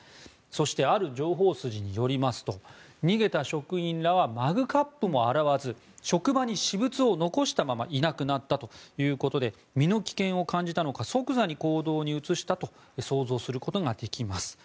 そして、ある情報筋によりますと逃げた職員らはマグカップも洗わず職場に私物を残したままいなくなったということで身の危険を感じたのか即座に行動に移したと想像することができます。